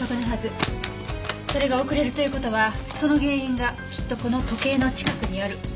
それが遅れるという事はその原因がきっとこの時計の近くにある。